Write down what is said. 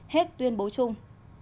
hết tuyên bố chung